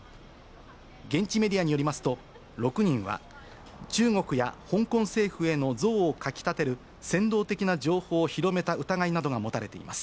現地メディアによりますと、６人は、中国や香港政府への憎悪をかきたてる扇動的な情報を広めた疑いなどが持たれています。